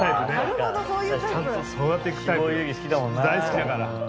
大好きだから。